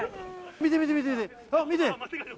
見て見て見て見て！